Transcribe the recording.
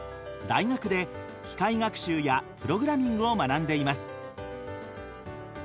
大学で機械学習やプログラミングを学んでいます。